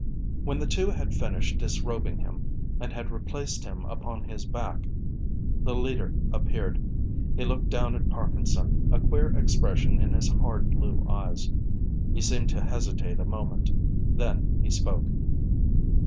When the two had finished disrobing him, and had replaced him upon his back, the leader appeared. He looked down at Parkinson, a queer expression in his hard, blue eyes. He seemed to hesitate a moment: then he spoke.